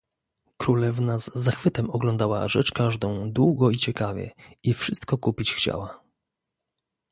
"Królewna z zachwytem oglądała rzecz każdą długo i ciekawie i wszystko kupić chciała."